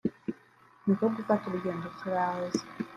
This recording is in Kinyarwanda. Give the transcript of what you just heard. niko gufata urugendo turaza